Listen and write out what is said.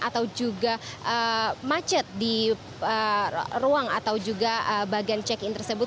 atau juga macet di ruang atau juga bagian check in tersebut